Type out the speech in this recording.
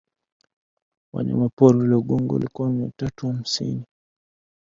wanyamapori waliogongwa walikuwa mia tatu hamsini